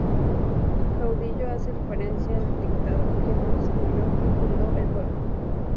Caudillo hace referencia al dictador que construyó y fundó el pueblo.